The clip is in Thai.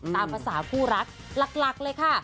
ตามภาษาคู่รักหลักเลยค่ะ